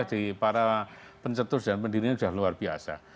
jadi para pencetus dan pendirinya sudah luar biasa